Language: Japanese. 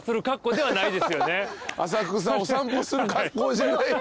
浅草散歩する格好じゃない。